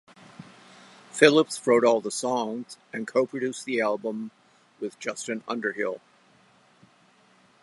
Phillips wrote all the songs and co-produced the album with Justin Underhill.